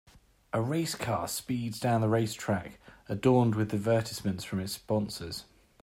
A race car speeds down the racetrack, adorned with advertisements from its sponsors.